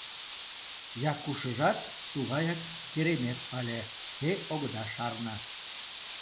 Якушыжат тугаяк керемет ыле — те огыда шарне.